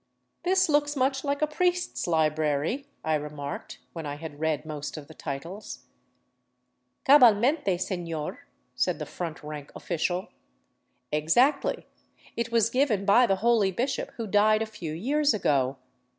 " This looks much like a priest's library," I remarked, when I had read most of the titles. '' Cabalmente, sefior," said the front rank official. " Exactly ; it was given by the holy bishop who died a few years ago.